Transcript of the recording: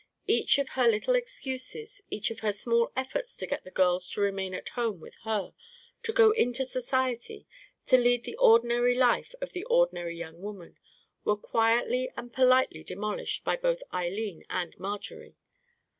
Each of her little excuses, each of her small efforts to get the girls to remain at home with her, to go into society, to lead the ordinary life of the ordinary young woman, were quietly and politely demolished by both Eileen and Marjorie.